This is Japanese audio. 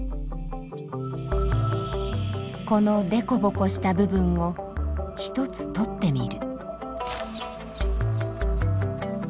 このでこぼこした部分を１つ取ってみる。